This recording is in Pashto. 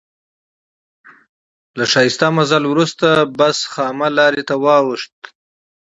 له ښایسته مزل وروسته بس خامه لارې ته واوښت.